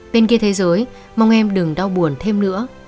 bên kia thế giới mong em đừng đau buồn thêm nữa